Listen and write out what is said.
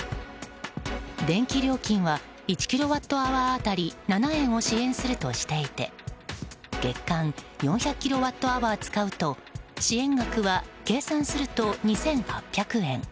電気料金は１キロワットアワー当たり７円を支援するとしていて月間４００キロワットアワー使うと支援額は計算すると２８００円。